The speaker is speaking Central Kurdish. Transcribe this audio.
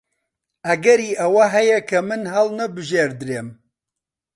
ئەگەری ئەوە هەیە کە من هەڵنەبژێردرێم.